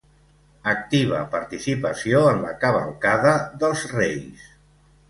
Activa participació en la Cavalcada Dels Reis.